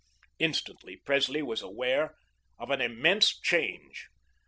Instantly Presley was aware of an immense change.